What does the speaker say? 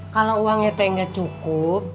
kalo uangnya tuh nggak cukup